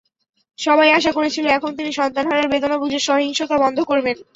সবাই আশা করেছিল, এখন তিনি সন্তানহারার বেদনা বুঝে সহিংসতা বন্ধ করবেন।